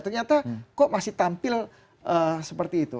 ternyata kok masih tampil seperti itu